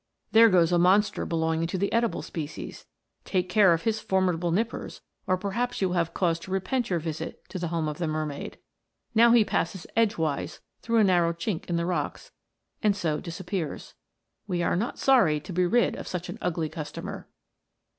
There goes a monster belonging to the edible species take care of his formidable nippers, or perhaps you will have cause to repent your visit to the home of the mermaid. Now he passes edgewise through a narrow chink in the rocks, and so disappears. We are not sorry to be rid of such an ugly customer.